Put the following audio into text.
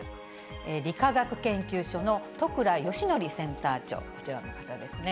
理化学研究所の十倉好紀センター長、こちらの方ですね。